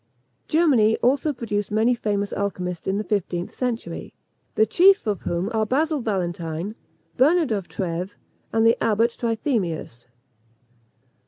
Germany also produced many famous alchymists in the fifteenth century, the chief of whom are Basil Valentine, Bernard of Trèves, and the Abbot Trithemius.